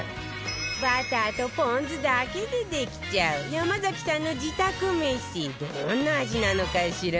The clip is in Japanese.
バターとポン酢だけでできちゃう山崎さんの自宅めしどんな味なのかしら？